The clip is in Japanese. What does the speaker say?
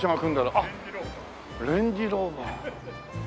あっレンジローバー。